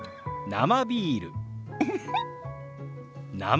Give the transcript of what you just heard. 生ビール。